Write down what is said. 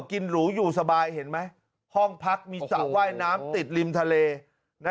หรูอยู่สบายเห็นไหมห้องพักมีสระว่ายน้ำติดริมทะเล